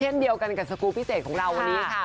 เช่นเดียวกันกับสกูลพิเศษของเราวันนี้ค่ะ